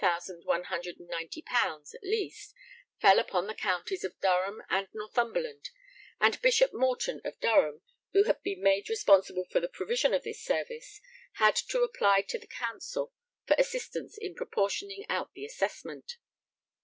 _ at least, fell upon the counties of Durham and Northumberland, and Bishop Morton of Durham, who had been made responsible for the provision of this service, had to apply to the Council for assistance in proportioning out the assessment.